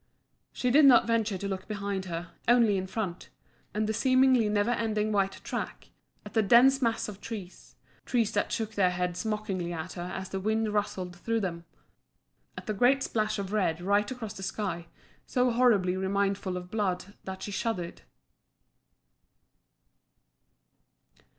She did not venture to look behind her, only in front at the seemingly never ending white track; at the dense mass of trees trees that shook their heads mockingly at her as the wind rustled through them; at the great splash of red right across the sky, so horribly remindful of blood that she shuddered.